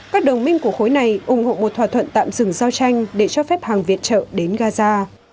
các đồng minh của khối này ủng hộ một thỏa thuận tạm dừng giao tranh để cho phép hàng viện trợ đến gaza